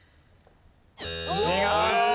違う。